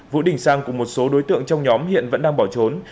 vũ đình sang cùng một số đối tượng trong nhóm hiện vẫn đang bỏ trốn